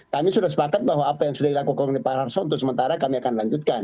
kami sudah sepakat bahwa apa yang sudah dilakukan oleh pak arso untuk sementara kami akan lanjutkan